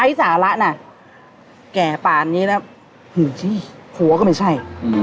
พี่สาระน่ะแก่ป่านอย่างนี้แล้วหึงสิหัวก็ไม่ใช่